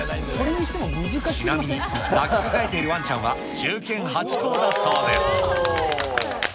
ちなみに抱きかかえているワンちゃんは、忠犬ハチ公だそうです。